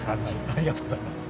ありがとうございます。